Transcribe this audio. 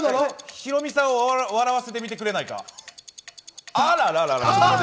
ヒロミさんを笑わせてみてくれないか？